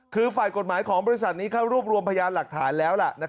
คือฝ่ายกฎหมายของบริษัทนี้เข้ารวบรวมพยานหลักฐานแล้วล่ะ